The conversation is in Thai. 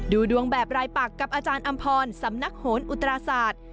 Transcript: ดูดวงแบบรายปักกับอาจารย์อำพรสำนักโหนอุตราศาสตร์